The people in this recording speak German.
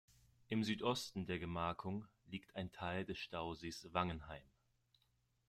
Im Südosten der Gemarkung liegt ein Teil des Stausees Wangenheim.